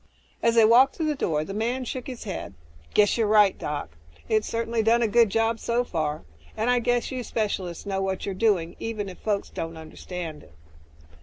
As they walked to the door, the man shook his head, "Guess you're right, Doc. It's certainly done a good job so far, and I guess you specialists know what you're doing, even if folks don't understand it."